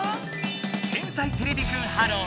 「天才てれびくんｈｅｌｌｏ，」